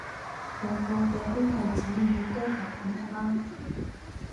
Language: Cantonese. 個個嘅兄弟姊妹都係噉㗎啦